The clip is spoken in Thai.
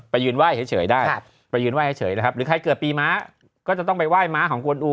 ยืนไหว้เฉยได้ไปยืนไห้เฉยนะครับหรือใครเกิดปีม้าก็จะต้องไปไหว้ม้าของกวนอู